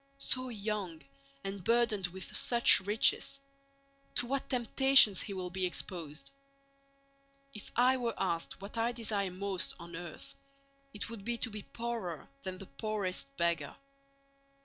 So young, and burdened with such riches—to what temptations he will be exposed! If I were asked what I desire most on earth, it would be to be poorer than the poorest beggar.